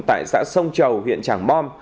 tại xã sông chầu huyện trảng bom